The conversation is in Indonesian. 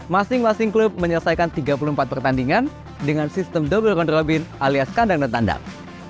masing masing klub menyelesaikan tiga puluh empat pertandingan dengan sistem double round robin alias kandang dan tandang